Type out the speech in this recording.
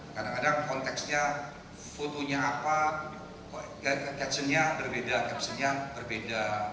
kadang kadang konteksnya fotonya apa captionnya berbeda captionnya berbeda